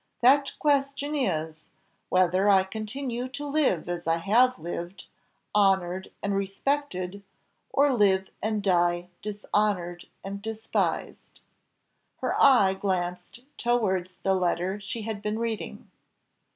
That question is, whether I continue to live as I have lived, honoured and respected, or live and die dishonoured and despised," her eye glanced towards the letter she had been reading.